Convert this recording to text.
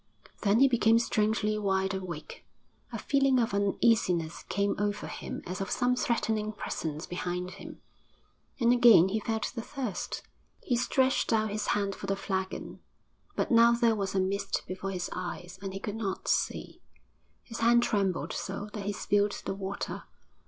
Then he became strangely wide awake, a feeling of uneasiness came over him as of some threatening presence behind him, and again he felt the thirst. He stretched out his hand for the flagon, but now there was a mist before his eyes and he could not see, his hand trembled so that he spilled the water.